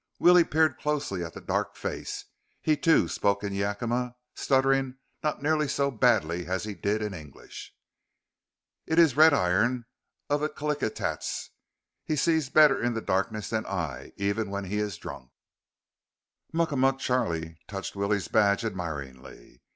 Willie peered closely at the dark face. He, too, spoke in Yakima, stuttering not nearly so badly as he did in English. "It is Red Iron of the Kilickitats. He sees better in the darkness than I, even when he is drunk." Muckamuck Charlie touched Willie's badge admiringly.